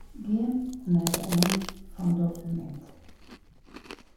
Gean nei de ein fan dokumint.